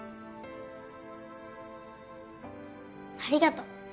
ありがとう。